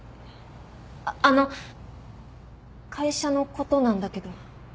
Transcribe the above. あの会社のことなんだけど。